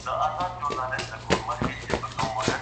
کله چي به رسول الله له جګړې فارغ سو؟